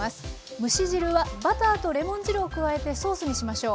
蒸し汁はバターとレモン汁を加えてソースにしましょう。